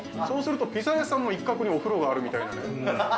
そうすると、ピザ屋さんの一角にお風呂があるみたいな。